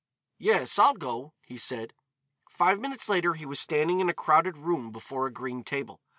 "Yes, I'll go," he said. Five minutes later he was standing in a crowded room before a green table.